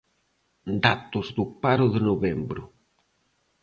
Datos do paro de novembro.